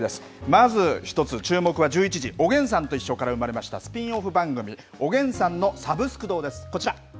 まず１つ、注目は１１時、おげんさんといっしょから生まれましたスピンオフ番組、おげんさんのサブスク堂です。